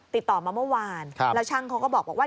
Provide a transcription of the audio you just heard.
ติดต่อมาเมื่อวานแล้วช่างเขาก็บอกว่า